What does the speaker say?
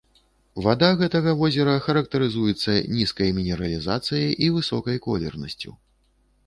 Вада гэтага возера характарызуецца нізкай мінералізацыяй і высокай колернасцю.